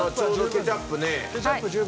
ケチャップ十分。